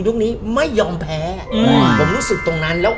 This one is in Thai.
ยุคนี้ไม่ยอมแพ้ผมรู้สึกตรงนั้นแล้ว